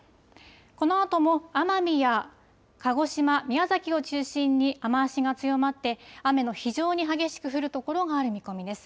このあとも奄美や鹿児島、宮崎を中心に雨足が強まって、雨の非常に激しく降る所がある見込みです。